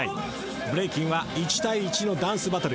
ブレイキンは１対１のダンスバトル。